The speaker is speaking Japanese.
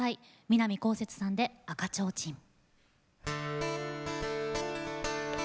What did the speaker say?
南こうせつさんで「赤ちょうちん」。